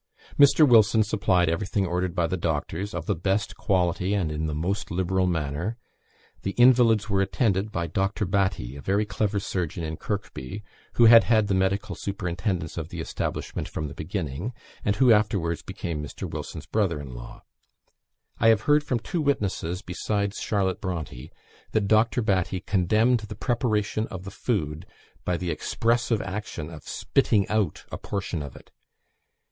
Mr. Wilson supplied everything ordered by the doctors, of the best quality and in the most liberal manner; the invalids were attended by Dr. Batty, a very clever surgeon in Kirby, who had had the medical superintendence of the establishment from the beginning, and who afterwards became Mr. Wilson's brother in law. I have heard from two witnesses besides Charlotte Bronte, that Dr. Batty condemned the preparation of the food by the expressive action of spitting out a portion of it.